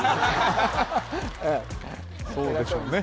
そうでしょうね